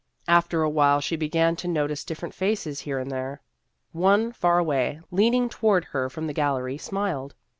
After a while 58 Vassar Studies she began to notice different faces here and there. One, far away, leaning toward her from the gallery, smiled.